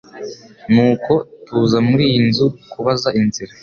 nuko tuza muri iyi nzu kubaza inzira